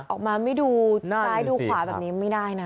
ออกมาไม่ดูซ้ายดูขวาแบบนี้ไม่ได้นะ